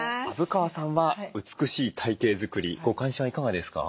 虻川さんは美しい体形作りご関心はいかがですか？